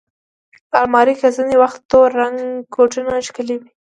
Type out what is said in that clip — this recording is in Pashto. الماري کې ځینې وخت تور رنګه کوټونه ښکلي وي